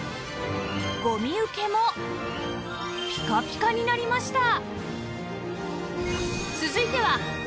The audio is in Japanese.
ごみ受けもピカピカになりました